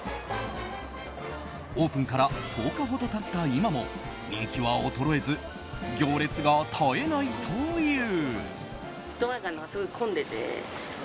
オープンから１０日ほど経った今も人気は衰えず行列が絶えないという。